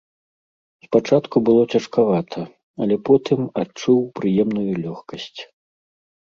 Спачатку было цяжкавата, але потым адчуў прыемную лёгкасць.